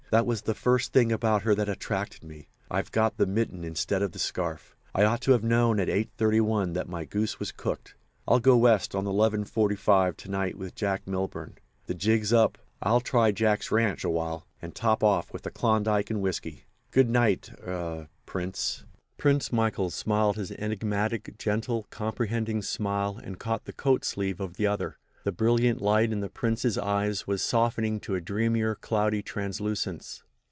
That was the first thing about her that attracted me. I've got the mitten instead of the scarf. I ought to have known at 8.31 that my goose was cooked. I'll go West on the 11.45 to night with Jack Milburn. The jig's up. I'll try Jack's ranch awhile and top off with the Klondike and whiskey. Good night—er—er—Prince." Prince Michael smiled his enigmatic, gentle, comprehending smile and caught the coat sleeve of the other. The brilliant light in the Prince's eyes was softening to a dreamier, cloudy translucence.